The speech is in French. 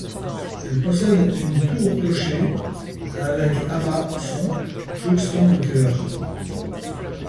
Elle possède une tour-clocher avec abats-sons jouxtant le chœur.